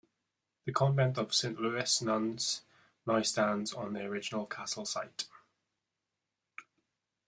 The Convent of the Saint Louis Nuns now stands on the original castle site.